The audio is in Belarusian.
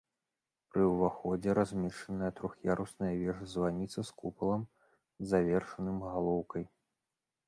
Пры ўваходзе размешчаная трох'ярусная вежа-званіца з купалам, завершаным галоўкай.